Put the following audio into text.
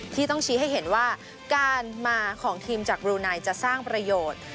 ที่ต้องชี้ให้เห็นว่าการมาของทีมจากบรูไนจะสร้างประโยชน์